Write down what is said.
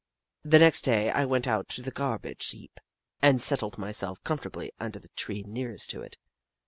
The next day I went out to the garbage heap, and settled myself comfortably under the tree nearest to it.